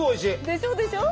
でしょ？でしょ？